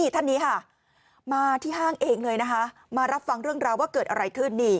ท่านนี้ค่ะมาที่ห้างเองเลยนะคะมารับฟังเรื่องราวว่าเกิดอะไรขึ้น